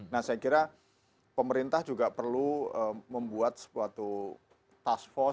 nah saya kira pemerintah juga perlu membuat suatu task force